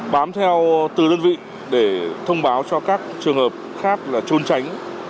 bám theo từ đơn vị để thông báo cho các trường hợp khác là trôn tránh